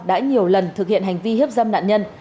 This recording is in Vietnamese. đã nhiều lần thực hiện hành vi hiếp dâm nạn nhân